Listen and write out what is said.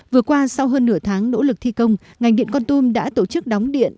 vừa qua sau hơn nửa tháng nỗ lực thi công ngành điện con tum đã tổ chức đóng điện